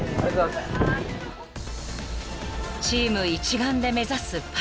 ［チーム一丸で目指すパリ］